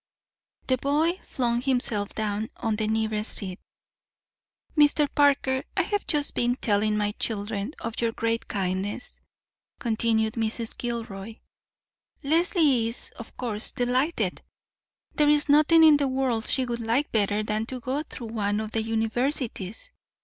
The boy flung himself down on the nearest seat. "Mr. Parker, I have just been telling my children of your great kindness," continued Mrs. Gilroy. "Leslie is, of course, delighted. There is nothing in the world she would like better than to go through one of the universities.